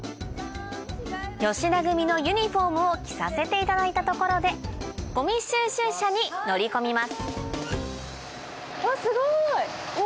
吉田組のユニホームを着させていただいたところでごみ収集車に乗り込みますわっすごい。